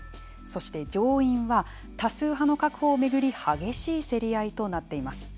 そして、上院は多数派の確保を巡り激しい競り合いとなっています。